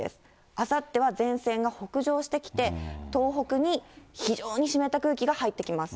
あさっては前線が北上してきて、東北に非常に湿った空気が入ってきます。